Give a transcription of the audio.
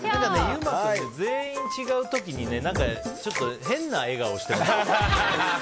優馬君、全員違う時にちょっと変な笑顔してますよ。